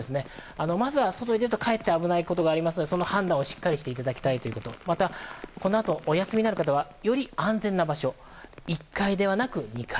まずは外に出るとかえって危ないことがありますので、その判断をしっかりしていただきたいことまたこのあとお休みになる方はより安全な場所１階ではなく２階。